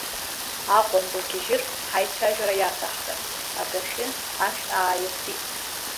Аҟәантә угьежьыр, ҳаицәажәара иацаҳҵап, адәахьы ашә ааиртит.